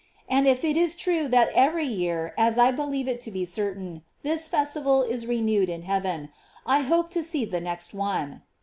And if it is true that every year, as I believe it to be certain, this fes tival is renewed in heaven, I hope to see the next one."